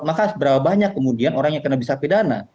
maka berapa banyak kemudian orang yang kena bisa pidana